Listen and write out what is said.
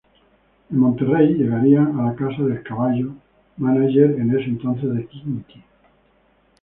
En Monterrey llegarían a la casa del Caballo, manager en ese entonces de Kinky.